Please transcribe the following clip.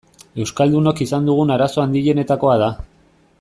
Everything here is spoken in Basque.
Euskaldunok izan dugun arazo handienetakoa da.